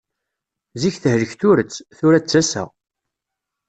Zik tehlek turet, tura d tasa.